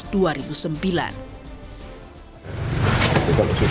kalau sudah ada kepastian kami kita diperlukan